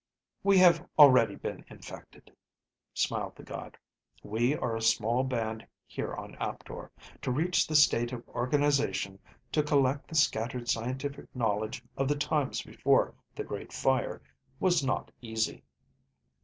"We have already been infected," smiled the god. "We are a small band here on Aptor. To reach the state of organization, to collect the scattered scientific knowledge of the times before the Great Fire, was not easy.